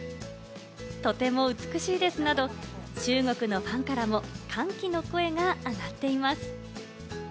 とても美しいですなど、中国のファンからも歓喜の声が上がっています。